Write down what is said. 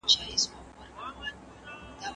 څراغونه لګېدلي دي.